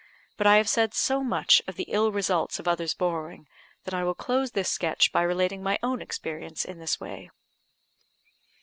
But I have said so much of the ill results of others' borrowing, that I will close this sketch by relating my own experience in this way.